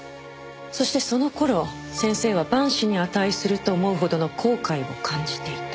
そしてその頃先生は万死に値すると思うほどの後悔を感じていた。